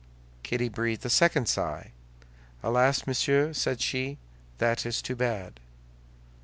Kitty breathed a second sigh. "Alas, monsieur," said she, "that is too bad."